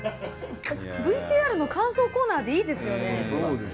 ＶＴＲの感想コーナーでいいですよね。